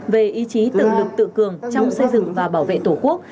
về ý chí tự lực tự cường trong xây dựng và bảo vệ tổ quốc